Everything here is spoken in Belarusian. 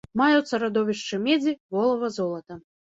Маюцца радовішчы медзі, волава, золата.